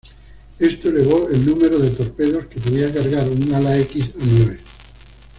Esto elevó el número de torpedos que podía cargar un Ala-X a nueve.